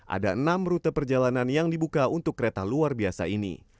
ada enam rute perjalanan yang dibuka untuk kereta luar biasa ini